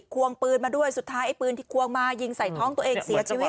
ควงปืนมาด้วยสุดท้ายไอ้ปืนที่ควงมายิงใส่ท้องตัวเองเสียชีวิต